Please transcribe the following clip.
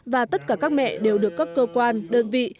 và tất cả các mẹ đều được các cơ quan đơn vị